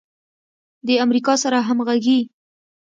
د امریکا سره همغږي